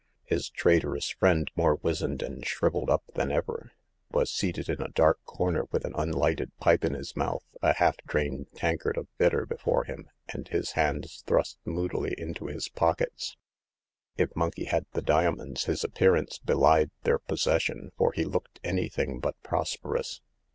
His traitorous friend, more wizened and shriv eled up than ever, was seated in a dark corner, with an unlighted pipe in his mouth, a half drained tankard of bitter before him, and his hands thrust moodily into his pockets. If Monkey had the diamonds, his appearance belied their possession, for he looked anything but prosperous.